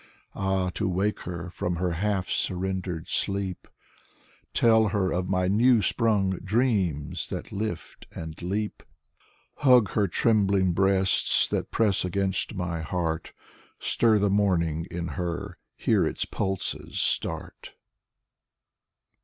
Ah, to wake her from her half surrendered sleep, Tell her of my new sprung dreams, that lift and leap, Hug her trembling breasts that press against my heart, Stir the morning in her, hear its pulses start.